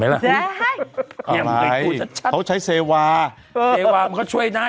ไหมล่ะเห็นไหมชัดปราหร่ายเขาใช้เซวาเซวามันก็ช่วยนะ